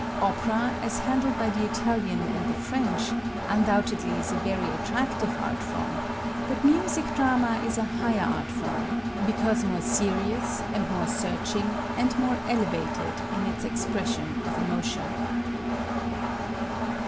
Opera, as handled by the Italian and the French, undoubtedly is a very attractive art form, but music drama is a higher art form, because more serious and more searching and more elevated in its expression of emotion.